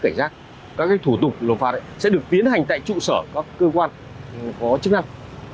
cảnh giác các thủ tục nộp phạt sẽ được tiến hành tại trụ sở các cơ quan có chức năng